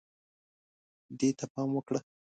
دې ته پام وکړه